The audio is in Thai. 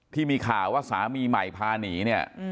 ที่มีข่าวว่าสามีใหม่พาหนีเนี่ย